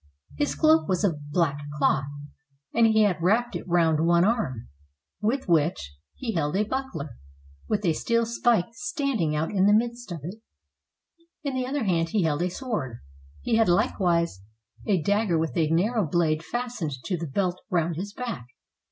His cloak was of black cloth; and he had wrapped it round one arm, with which 525 SPAIN he held a buckler, with a steel spike standing out in the midst of it. In the other hand he held a sword. He had likewise a dagger with a narrow blade fastened to the belt round his back.